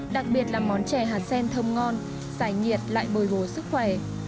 đặc biệt là món chè hạt sen thơm ngon giải nhiệt lại bồi hồ sức khỏe được cả nhà yêu thích nhất là chè nhỏ